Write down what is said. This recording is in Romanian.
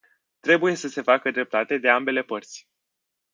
Trebuie să se facă dreptate de ambele părți.